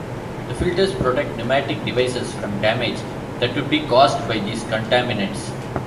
The filters protect pneumatic devices from damage that would be caused by these contaminants.